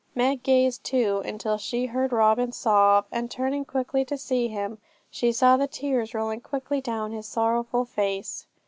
Meg gazed, too, until she heard Robin sob, and turning quickly to him, she saw the tears rolling quickly down his sorrowful face.